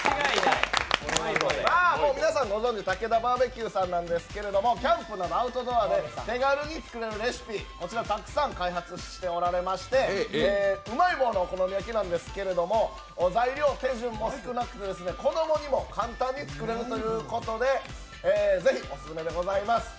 皆さんご存じ、たけだバーベキューさんなんですけれども、キャンプやアウトドアで手軽に作れるレシピ、こちらたくさん開発していましてうまい棒のお好み焼きなんですけれども、材料、手順も少なくて子供でも簡単に作れるということでぜひオススメでございます。